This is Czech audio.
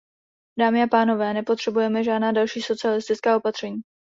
Dámy a pánové, nepotřebujeme žádná další socialistická opatření.